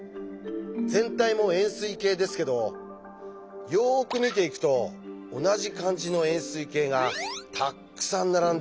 全体も円すい形ですけどよく見ていくと同じ感じの円すい形がたっくさん並んでいますよね。